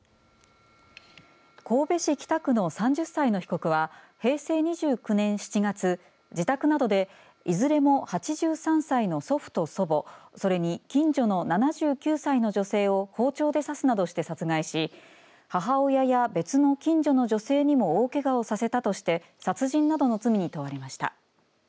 神戸市北区の３０歳の被告は平成２９年７月自宅などでいずれも８３歳の祖父と祖母それに近所の７９歳の女性を包丁で刺すなどして殺害し母親や別の近所の女性にも大けがをさせたとして殺人などの罪に問われました。